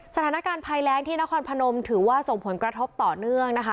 สถานการณ์ภัยแรงที่นครพนมถือว่าส่งผลกระทบต่อเนื่องนะคะ